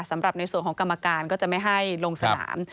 สำหรับในส่วนของกรรมการก็จะไม่ให้ลงสนาม